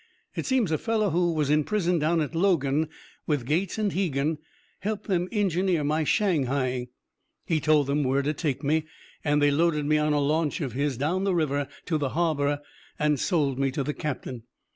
It seems a fellow who was in prison down at Logan with Gates and Hegan helped them engineer my shanghaiing. He told them where to take me. And they loaded me on a launch of his, down the river to the harbour and sold me to the captain.